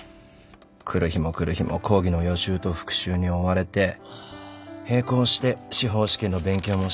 来る日も来る日も講義の予習と復習に追われて並行して司法試験の勉強もしなきゃならない。